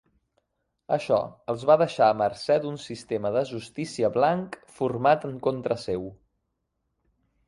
Això els va deixar a mercè d'un sistema de justícia blanc format en contra seu.